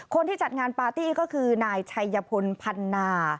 คนที่จัดงานปาร์ตี้ก็คือนายชัยพลพันนา